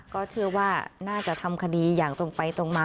ก็เชื่อว่าน่าจะทำคดีอย่างตรงไปตรงมา